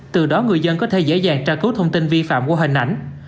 từ đó người dân có thể dễ dàng tra cứu thông tin vi phạm qua hình ảnh